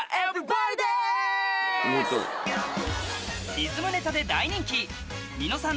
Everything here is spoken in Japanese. リズムネタで大人気『ニノさん』